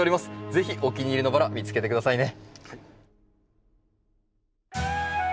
是非お気に入りのバラ見つけて下さいね。